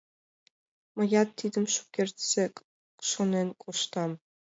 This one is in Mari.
— Мыят тидым шукертсек шонен коштам!